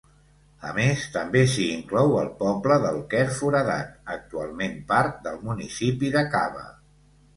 A més, també s'hi inclou el poble del Querforadat, actualment part del municipi de Cava.